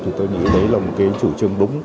thì tôi nghĩ đấy là một chủ trương đúng